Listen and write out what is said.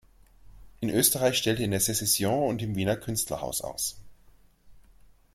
In Österreich stellte er in der Secession und im Wiener Künstlerhaus aus.